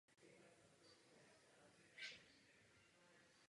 Nemoc už však byla v pokročilém stádiu a tak zemřel ještě téhož měsíce.